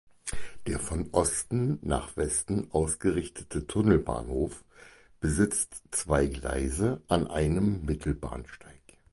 Der von Osten nach Westen ausgerichtete Tunnelbahnhof besitzt zwei Gleise an einem Mittelbahnsteig.